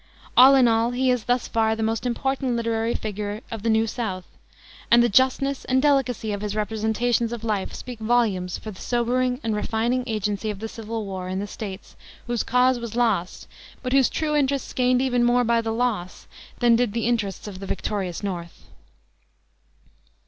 All in all, he is, thus far, the most important literary figure of the New South, and the justness and delicacy of his representations of life speak volumes for the sobering and refining agency of the civil war in the States whose "cause" was "lost," but whose true interests gained even more by the loss than did the interests of the victorious North.